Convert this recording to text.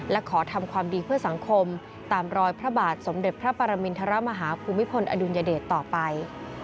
และขอทำความดีเพื่อสังคมตามรอยพระบาทสมเด็จพระปรมินทรมาฮาภูมิพลอดุลยเดชต่อไป